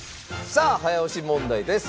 さあ早押し問題です。